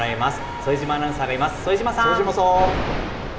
副島アナウンサーがいます。